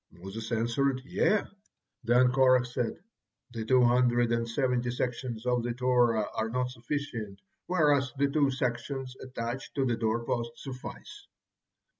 Moses answered, "Yea," Then Korah said: "The two hundred and seventy sections of the Torah are not sufficient, whereas the two sections attached to the door post suffice!"